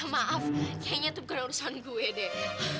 maaf nyayanya tuh bukan urusan gue deh